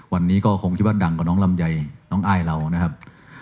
วันนี้ก็คงคิดว่าดังกว่าน้องลำไยน้องอ้ายเรานะครับ